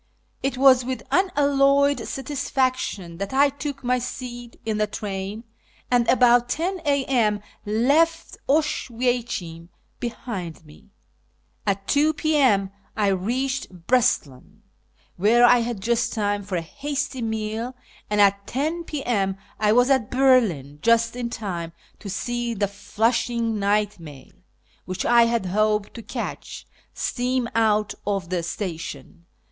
It was with unalloyed satisfaction that I took my seat in the train, and, about 10 a.m., left Oswiecim behind me. At 2 P.M. I reached Breslau, where I had just time for a hasty meal, and at 10 p.m. I was at Berlin, just in time to see the Flushing night mail, which I had hoped to catch, steam out of the station.